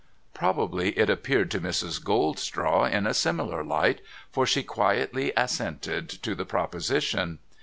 Probably it appeared to Mrs. Goldstraw in a similar light, for she quietly assented to the proposition.